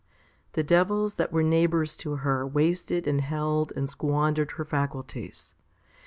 The devils that were neighbours to her wasted and held and squandered her faculties.